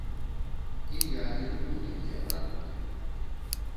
І я не люблю такія прадукты.